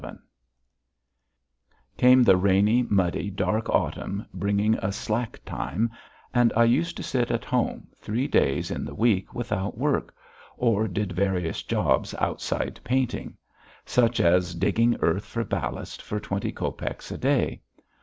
VII Came the rainy, muddy, dark autumn, bringing a slack time, and I used to sit at home three days in the week without work, or did various jobs outside painting; such as digging earth for ballast for twenty copecks a day.